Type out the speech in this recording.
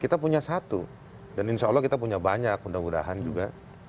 kita punya satu dan insya allah kita punya banyak mudah mudahan juga